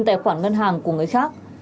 tài khoản ngân hàng của người khác